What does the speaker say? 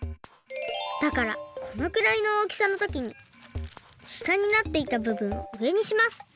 だからこのくらいのおおきさのときにしたになっていたぶぶんをうえにします。